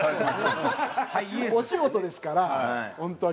お仕事ですから本当に。